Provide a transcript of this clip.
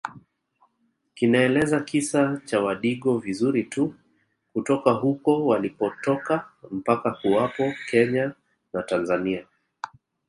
kinaeleza kisa cha wadigo vizuri tu kutoka huko walipotoka mpaka kuwapo Kenya na Tanzania